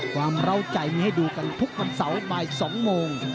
กว่าเราใจให้ดูกันทุกวันเสาร์ในปลายสองโมง